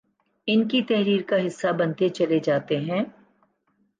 ان کی تحریر کا حصہ بنتے چلے جاتے ہیں